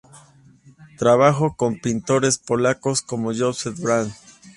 Trabajó con pintores polacos como Józef Brandt.